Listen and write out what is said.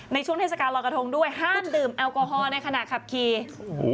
ในช่วงเทศกาลอยกะทงด้วยห้ามดื่มแอลกอฮอล์ในขณะขับขี่